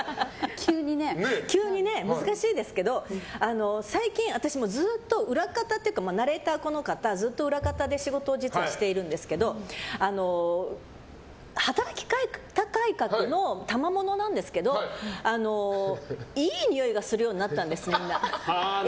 急に難しいですけど最近、私ずっと裏方っていうかナレーター仕事を実はしてるんですけど働き方改革のたまものなんですけどいいにおいがするようになったんです、みんな。